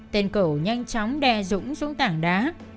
tên cửu nhanh chóng đè dũng xuống tảng đá